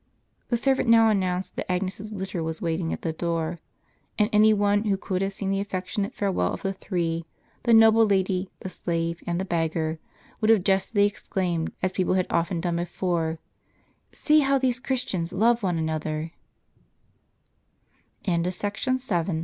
" The servant now announced that Agnes' s litter was wait ing at the door ; and any one who could have seen the affec tionate farewell of the three, — the noble lady, the slave, and the beggar, would have justly exclaimed, as people had often done before, " See how these Christians love one anothe